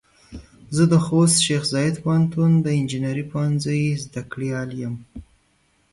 زه د خوست شیخ زايد پوهنتون د انجنیري پوهنځۍ زده کړيال يم.